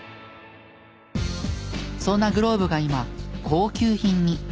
そんなグローブが今高級品に。